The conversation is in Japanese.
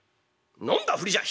飲んだふりじゃ」。